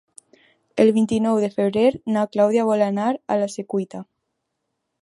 El vint-i-nou de febrer na Clàudia vol anar a la Secuita.